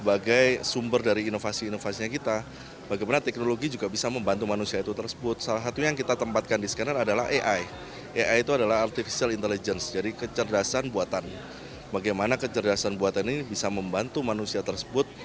bagaimana kecerdasan buatan ini bisa membantu manusia tersebut